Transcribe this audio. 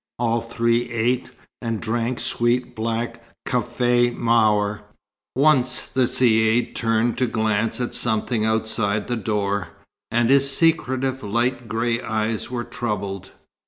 All three ate, and drank sweet black café maure. Once the Caïd turned to glance at something outside the door, and his secretive, light grey eyes were troubled.